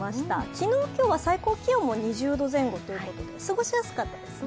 昨日、今日は最高気温も２０度前後と過ごしやすかったですね。